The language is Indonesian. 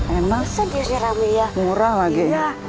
emang murah lagi